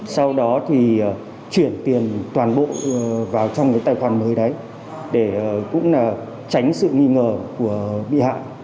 sau đó thì chuyển tiền toàn bộ vào trong cái tài khoản mới đấy để cũng là tránh sự nghi ngờ của bị hại